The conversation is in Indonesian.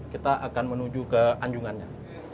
kita akan menuju ke anjungannya